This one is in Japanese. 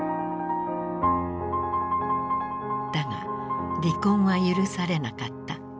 だが離婚は許されなかった。